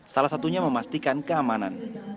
salah satunya memastikan keamanan